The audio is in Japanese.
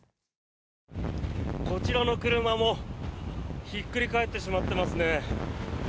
こちらの車もひっくり返ってしまっていますね。